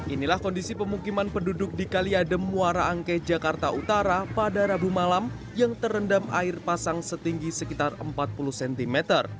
inilah kondisi pemukiman penduduk di kali adem muara angke jakarta utara pada rabu malam yang terendam air pasang setinggi sekitar empat puluh cm